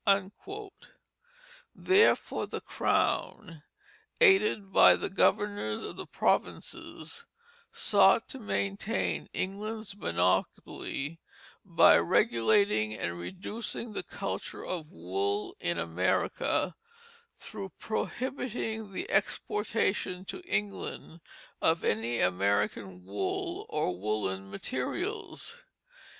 Therefore, the Crown, aided by the governors of the provinces, sought to maintain England's monopoly by regulating and reducing the culture of wool in America through prohibiting the exportation to England of any American wool or woollen materials.